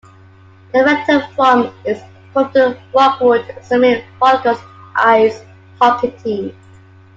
The Fenton Forum is home to the Rockwood Summit Falcons ice hockey team.